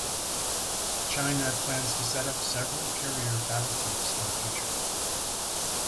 China plans to set up several carrier battle groups in the future.